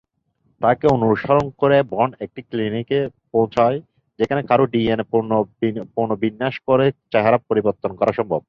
তাকে অনুসরণ করে বন্ড একটি ক্লিনিকে পৌছায় যেখানে কারো ডিএনএ পুনর্বিন্যাস করে চেহারা পরিবর্তন করা সম্ভব।